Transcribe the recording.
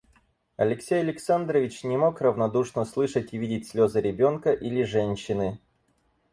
Алексей Александрович не мог равнодушно слышать и видеть слезы ребенка или женщины.